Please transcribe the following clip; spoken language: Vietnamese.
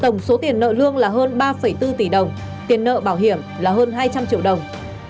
nợ lương là hơn ba bốn tỷ đồng tiền nợ bảo hiểm là hơn hai trăm linh triệu đồng